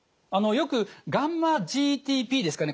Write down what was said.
よくγ−ＧＴＰですかね